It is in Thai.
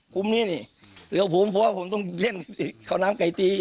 กลุ่มนี้นี่เหลือผมเพราะว่าผมต้องเล่นข้าวน้ำไก่ตี